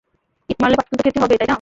ইট মারলে পাটকেল তো খেতেই হবে, তাই না?